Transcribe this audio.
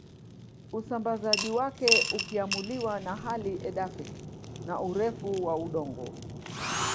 Usambazaji wake ukiamuliwa na hali edaphic na urefu wa udongo